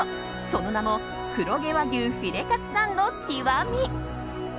その名も黒毛和牛フィレカツサンド極。